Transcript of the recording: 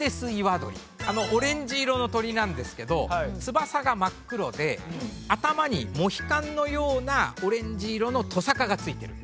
あのオレンジ色の鳥なんですけど翼が真っ黒で頭にモヒカンのようなオレンジ色のとさかがついてる。